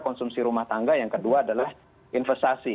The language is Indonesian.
konsumsi rumah tangga yang kedua adalah investasi